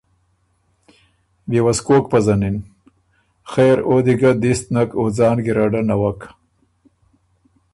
بيې وه سُو کوک پزنِن؟ خېر او دی ګه دِست نک او ځان ګیرډه نوَک۔